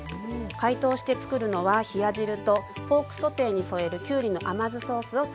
解凍してつくるのは冷や汁とポークソテーに添えるきゅうりの甘酢ソースをつくります。